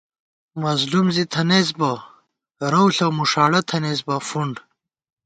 مظلُوم زی تھنَئیس بہ رَؤ ݪہ مُݭاڑہ تھنَئیس بہ فُنڈ